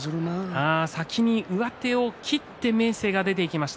先に上手を切って明生が出ていきました。